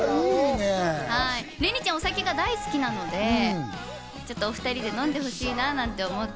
れにちゃん、お酒が大好きなので、ちょっとお２人で飲んでほしいなぁ、なんて思って。